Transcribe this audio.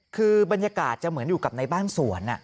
คือบรรยากาศจะเหมือนอยู่กับในบ้านสวน